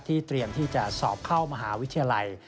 เตรียมที่จะสอบเข้ามหาวิทยาลัย